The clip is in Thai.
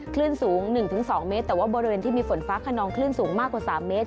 คลื่นสูง๑๒เมตรแต่ว่าบริเวณที่มีฝนฟ้าขนองคลื่นสูงมากกว่า๓เมตร